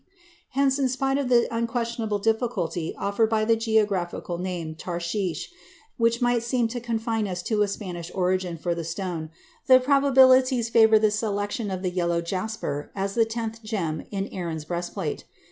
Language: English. Hence, in spite of the unquestionable difficulty offered by the geographical name tarshish, which might seem to confine us to a Spanish origin for the stone, the probabilities favor the selection of the yellow jasper as the tenth gem in Aaron's breastplate.